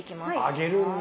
揚げるんだ。